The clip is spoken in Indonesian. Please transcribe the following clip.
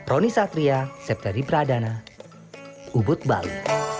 roni satria septadi pradana ubud bali